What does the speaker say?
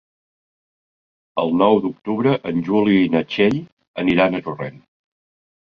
El nou d'octubre en Juli i na Txell aniran a Torrent.